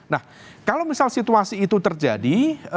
nah kalau misal situasi itu terjadi